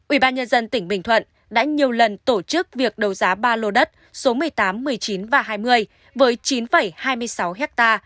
ubnd tỉnh bình thuận đã nhiều lần tổ chức việc đầu giá ba lô đất số một mươi tám một mươi chín và hai mươi với chín hai mươi sáu ha